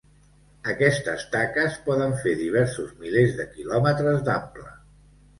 Aquestes taques poden fer diversos milers de quilòmetres d'ample.